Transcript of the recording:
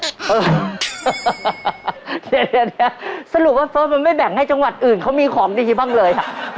เนี้ยเนี้ยเนี้ยสรุปว่าเฟิร์สมัยไม่แบ่งให้จังหวัดอื่นเขามีของดีบ้างเลยค่ะ